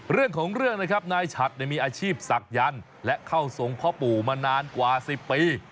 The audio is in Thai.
เรื่องของเรื่องนะครับนายฉัดมีอาชีพศักยันต์และเข้าทรงพ่อปู่มานานกว่า๑๐ปี